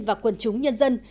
và quần chúng nhân dân